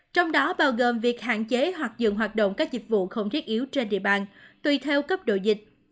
trong đó bao gồm việc hạn chế hoặc dừng hoạt động các dịch vụ không thiết yếu trên địa bàn tùy theo cấp độ dịch